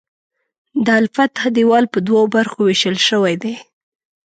د الفتح دیوال په دوو برخو ویشل شوی دی.